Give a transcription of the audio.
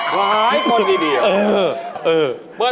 ถามพี่ปีเตอร์